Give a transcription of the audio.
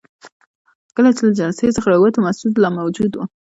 کله چې له جلسې څخه راووتو مسعود لا موجود وو.